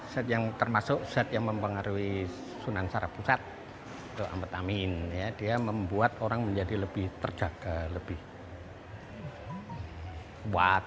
zat yang termasuk zat yang mempengaruhi sunan sarap pusat amfetamin dia membuat orang menjadi lebih terjaga lebih kuat